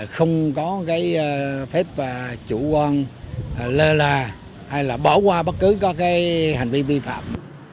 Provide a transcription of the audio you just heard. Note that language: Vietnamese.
không có phép chủ quan lơ là hay bỏ qua bất cứ hành vi vi phạm